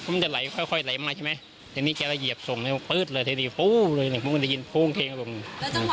มาเรียนเพราะจังหวะที่ช่วยตอนนั้นคืออาการคนที่อยู่ข้างตรงนี้